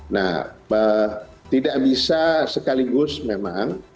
nah tidak bisa sekaligus memang